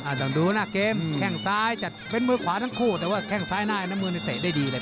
ต้องดูหน้าเกมแข้งซ้ายจัดเป็นมือขวาทั้งคู่แต่ว่าแข้งซ้ายหน้าน้ำเงินเตะได้ดีเลย